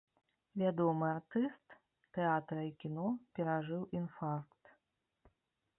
Вядомы артыст тэатра і кіно перажыў інфаркт.